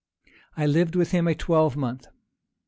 I lived with him a twelve month.